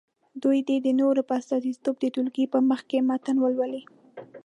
دوی دې د نورو په استازیتوب د ټولګي په مخکې متن ولولي.